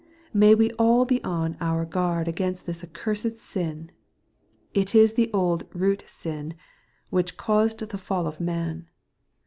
May we all be on our guard against this accursed sin It is the old root sin, which caused the fall of man.